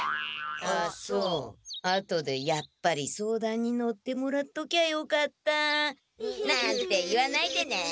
あとでやっぱり相談に乗ってもらっときゃよかったなんて言わないでね！